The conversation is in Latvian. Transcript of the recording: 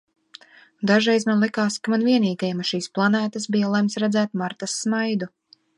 Dažreiz man likās, ka man vienīgajam uz šīs planētas bija lemts redzēt Martas smaidu.